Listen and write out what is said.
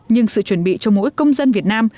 nhưng sự chuẩn bị cho mỗi công dân việt nam